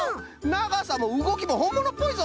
ながさもうごきもほんものっぽいぞ！